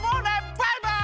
バイバイ！